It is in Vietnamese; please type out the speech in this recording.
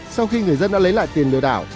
sau khi người dân đã lấy lại tiền lừa đảo